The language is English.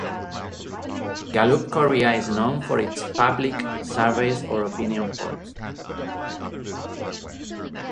Gallup Korea is known for its public surveys or opinion polls.